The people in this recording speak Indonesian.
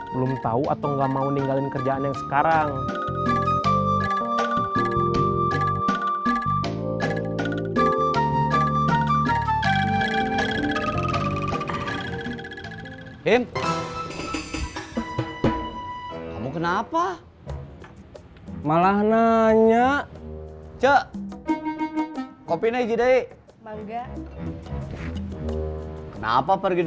belum tahu atau nggak mau ninggalin kerjaan yang sekarang